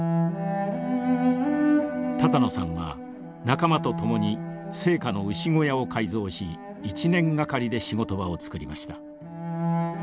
多々納さんは仲間と共に生家の牛小屋を改造し１年がかりで仕事場をつくりました。